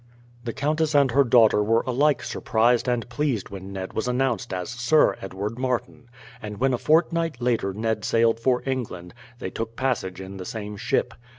The countess and her daughter were alike surprised and pleased when Ned was announced as Sir Edward Martin. And when a fortnight later Ned sailed for England, they took passage in the same ship.